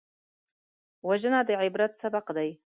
وژنه د عبرت سبق دی